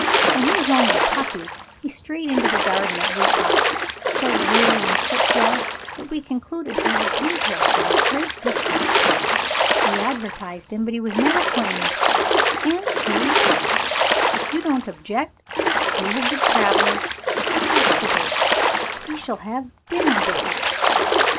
When he was only a puppy he strayed into the garden at Beaupark, so weary and footsore that we concluded he had come to us from a great distance. We advertised him, but he was never claimed and here he is! If you don't object, we will give Traveler a treat to day. He shall have dinner with us."